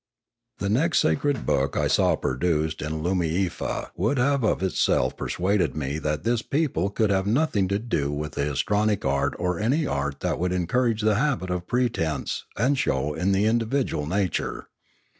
The next sacred book I saw produced in Loomiefa would have of itself persuaded me that this people could have nothing to do with the histrionic art or any art that would encourage the habit of pretence and show in the individual nature.